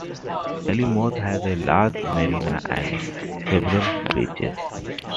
Alimos has a large marina and several beaches.